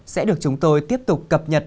sẽ được chúng tôi tiếp tục cập nhật